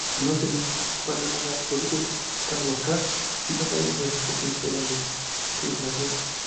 Continuó teniendo participación en la política local, siendo varias veces presidente de la Legislatura.